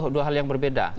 dua hal yang berbeda